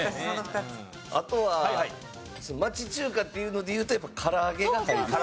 あとは町中華っていうのでいうとやっぱ唐揚げが入りそう。